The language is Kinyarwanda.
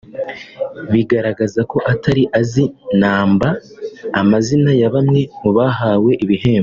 bigaragaza ko atari azi namba amazina ya bamwe mu bahawe ibihembo